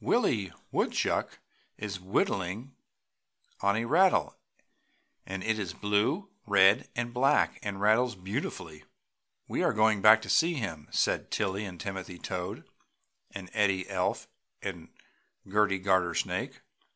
"Willie Woodchuck is whittling on a rattle and it is blue, red and black and rattles beautifully." "We are going back to see him!" said Tilly and Timothy Toad and Eddie Elf and Gerty Gartersnake.